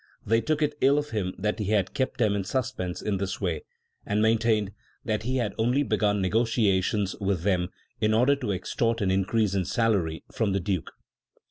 They took it ill of him that he had kept them in suspense in this way, and maintained that he had only begun negociations with them in order to extort an increase in salary from the Duke.